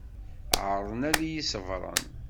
Ɛerḍen ad iyi-ṣebbren.